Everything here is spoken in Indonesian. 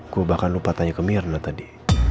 gue bahkan lupa tanya ke mirna tadi